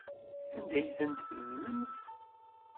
Anda ay tent-tedlemt?